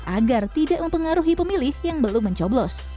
agar tidak mempengaruhi pemilih yang belum mencoblos